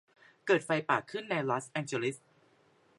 เกิดไฟป่าขึ้นในลอสแองเจลิส